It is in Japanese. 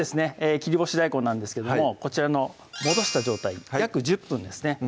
切り干し大根なんですけどもこちらの戻した状態約１０分ですね